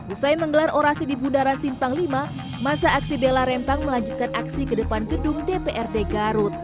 usai menggelar orasi di bundaran simpang v masa aksi bela rempang melanjutkan aksi ke depan gedung dprd garut